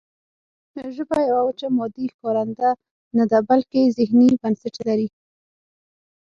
ژبه یوه وچه مادي ښکارنده نه ده بلکې ذهني بنسټ لري